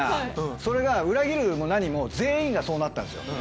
それが裏切るも何も全員がそうなったんですよ。